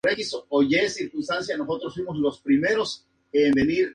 El tema es introducido por la orquesta, a lo que sigue la exposición pianística.